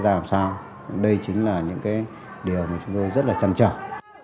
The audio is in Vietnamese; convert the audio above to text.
chúng tôi sẽ làm sao đây chính là những cái điều mà chúng tôi rất là trầm trọng